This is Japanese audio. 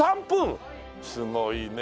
すごいね。